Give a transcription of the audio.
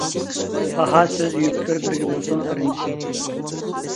باھا سۆز يۇپىتېر بىرگە بولسۇن قېرىندىشىم!